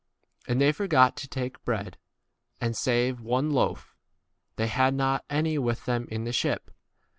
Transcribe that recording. u And they forgot to take bread, and, save one loaf, they had not 15 [any] with them in the ship.